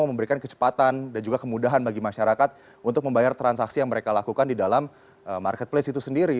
memberikan kecepatan dan juga kemudahan bagi masyarakat untuk membayar transaksi yang mereka lakukan di dalam marketplace itu sendiri